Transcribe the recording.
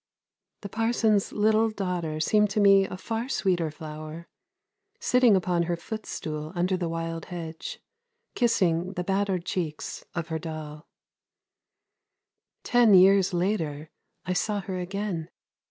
The parson's little daughter seemed to me a far WHAT THE MOON SAW 233 sweeter flower, sitting upon her footstool under the wild hedge, kissing the battered cheeks of her doll. Ten years later I saw her again.